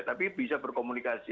tapi bisa berkomunikasi